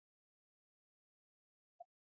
ازادي راډیو د بیکاري کیسې وړاندې کړي.